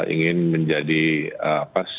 ingin menjadi apa suatu pembahasan